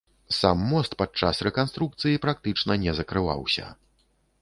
Сам мост падчас рэканструкцыі практычна не закрываўся.